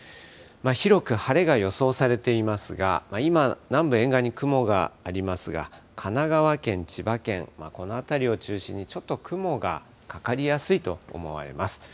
広く晴れが予想されていますが、今、南部沿岸に雲がありますが、神奈川県、千葉県、この辺りを中心にちょっと雲がかかりやすいと思われます。